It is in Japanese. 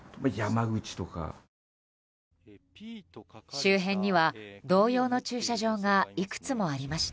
周辺には同様の駐車場がいくつもありました。